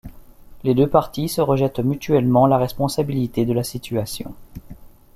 Les deux parties se rejettent mutuellement la responsabilité de la situation.